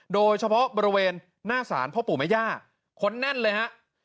โดยเฉพาะบริเวณหน้าศาลพ่อปู่แม่ย่าคนแน่นเลยฮะ